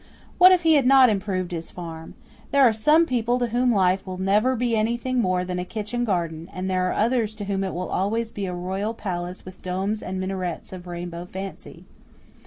What if he had not "improved" his farm? There are some people to whom life will never be anything more than a kitchen garden; and there are others to whom it will always be a royal palace with domes and minarets of rainbow fancy.